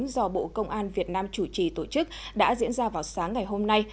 do bộ công an việt nam chủ trì tổ chức đã diễn ra vào sáng ngày hôm nay